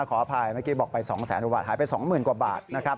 ขออภัยเมื่อกี้บอกไป๒๐๐๐๐๐กว่าบาทหายไป๒๐๐๐๐กว่าบาท